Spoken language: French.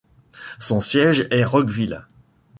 Son siège est Rockville.